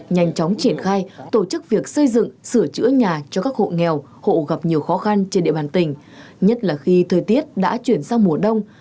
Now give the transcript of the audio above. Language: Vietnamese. nhanh chóng triển khai tổ chức việc xây dựng sửa chữa nhà cho các hộ nghèo hộ gặp nhiều khó khăn trên địa bàn tỉnh nhất là khi thời tiết đã chuyển sang mùa đông